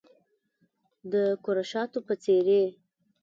د کره شاتو په څیرې